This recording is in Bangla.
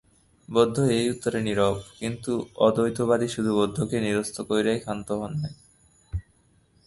বৌদ্ধ এই উত্তরে নীরব, কিন্তু অদ্বৈতবাদী শুধু বৌদ্ধকে নিরস্ত করিয়াই ক্ষান্ত নন।